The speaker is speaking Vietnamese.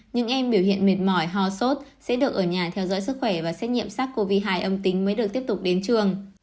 những em biểu hiện mệt mỏi ho sốt sẽ được ở nhà theo dõi sức khỏe và xét nghiệm sars cov hai âm tính mới được tiếp tục đến trường